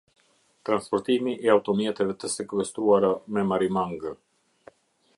Transportimi i automjeteve të sekuestruara me marimangë.